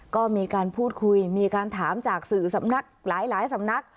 ก็มีการพูดคุยมีการถามจากสื่อสำนักหลายสำนัก